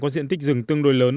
có diện tích rừng tương đối lớn